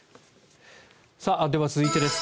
では、続いてです。